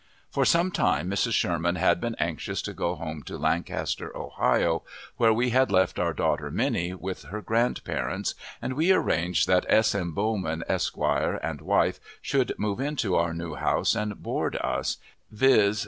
For some time Mrs. Sherman had been anxious to go home to Lancaster, Ohio, where we had left our daughter Minnie, with her grandparents, and we arranged that S. M. Bowman, Esq., and wife, should move into our new house and board us, viz.